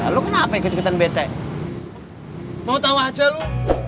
lalu kenapa keceketan bete mau tahu aja lu